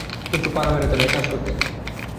কিন্তু পাড়া-বেড়াতে নয়, কাজ করতে।